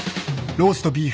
ローストビーフ。